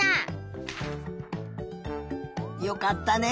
よかったね。